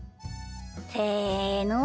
せの。